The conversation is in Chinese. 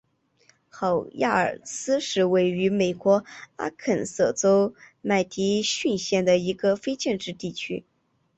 赫亚尔思是位于美国阿肯色州麦迪逊县的一个非建制地区。